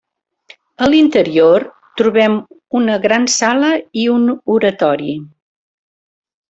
A l'interior trobem una gran sala i un oratori.